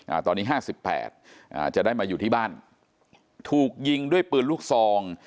อ่าตอนนี้ห้าสิบแปดอ่าจะได้มาอยู่ที่บ้านถูกยิงด้วยปืนลูกซอง